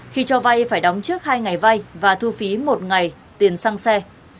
khi cho vay phải đóng trước hai ngày vay và thu phí một ngày tiền xăng xe